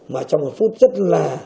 mà trong một phút rất là